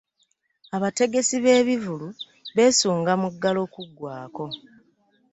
Abategesi b'ebivvulu beesunga muggalo kugwaako.